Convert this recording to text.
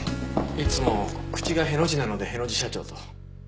いつも口がへの字なのでへの字社長と。